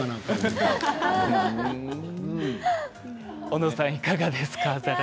小野さん、いかがですか。